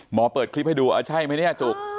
เปิดคลิปให้ดูใช่ไหมเนี่ยจุก